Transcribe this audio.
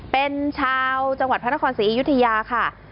เป็นชาวจังหวัดพระนครศรีอยุธยาค่ะ